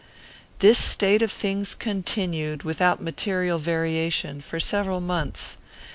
This state of things continued, without material variation, for several months.